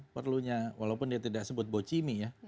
perlunya walaupun dia tidak sebut bocimi ya